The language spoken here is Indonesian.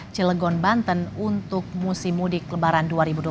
cilegon banten untuk musim mudik lebaran dua ribu dua puluh